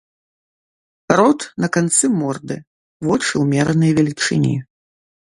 Рот на канцы морды, вочы ўмеранай велічыні.